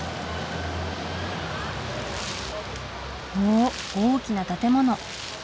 おっ大きな建物。